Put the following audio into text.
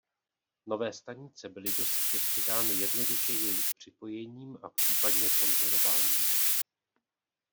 Nové stanice byly do sítě přidány jednoduše jejich připojením a případně pojmenováním.